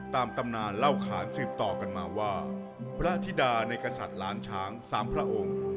ตำนานเล่าขานสืบต่อกันมาว่าพระธิดาในกษัตริย์ล้านช้างสามพระองค์